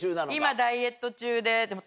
今ダイエット中ででも。